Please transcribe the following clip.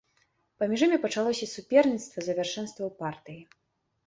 Паміж імі пачалося суперніцтва за вяршэнства ў партыі.